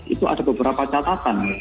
itu ada beberapa catatan